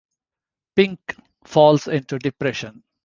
Pink falls into a depression.